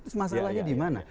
terus masalahnya dimana